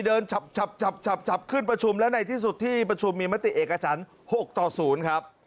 เดินจับจับจับจับจับขึ้นประชุมและในที่สุดที่ประชุมมีมติเอกอาจารย์หกต่อศูนย์ครับ